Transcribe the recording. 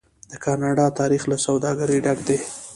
د کاناډا تاریخ له سوداګرۍ ډک دی.